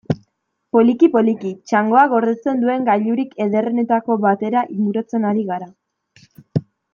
Poliki-poliki, txangoak gordetzen duen gailurrik ederrenetako batera inguratzen ari gara.